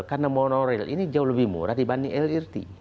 karena monorail ini jauh lebih murah dibanding lrt